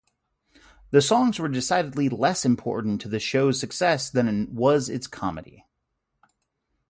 The songs were decidedly less important to the show's success than was its comedy.